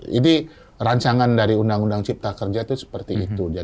jadi rancangan dari undang undang cipta kerja itu seperti itu